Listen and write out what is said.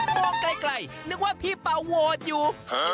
โมงใกล้นึกว่าพี่เป่าโหดอยู่